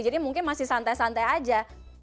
jadi mungkin masih santai santai aja